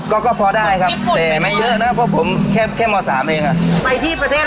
ก็ก็พอได้ครับแต่ไม่เยอะนะเพราะผมแค่แค่ม๓เองอ่ะไปที่ประเทศ